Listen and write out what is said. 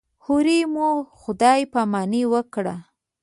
هورې مو خدای پاماني وکړه.